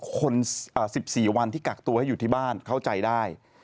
คน๑๔วันที่กักตัวให้อยู่ที่บ้านเข้าใจได้